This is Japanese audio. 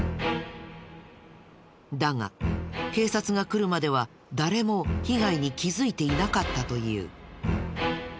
だが警察が来るまでは誰も被害に気づいていなかったという。